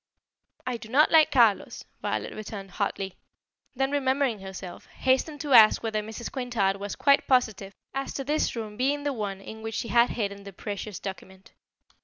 "I do not like Carlos," Violet returned hotly; then remembering herself, hastened to ask whether Mrs. Quintard was quite positive as to this room being the one in which she had hidden the precious document.